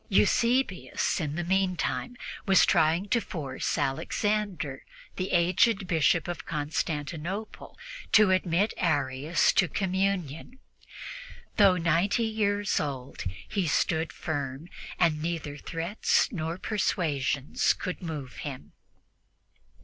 Eusebius, in the meantime, was trying to force Alexander, the aged Bishop of Constantinople, to admit Arius to communion. Although ninety years old, he stood firm, and neither threats nor persuasions could move him.